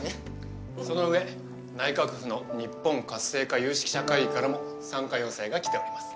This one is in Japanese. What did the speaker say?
その上内閣府のにっぽん活性化有識者会議からも参加要請が来ております。